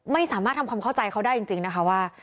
ไม่สามารถทำความเข้าใจเขาได้จริงนะคะว่า